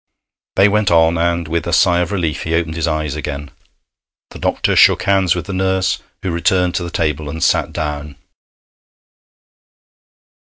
They went on, and with a sigh of relief he opened his eyes again. The doctor shook hands with the nurse, who returned to the table and sat down.